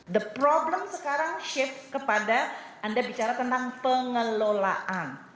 the problem sekarang shift kepada anda bicara tentang pengelolaan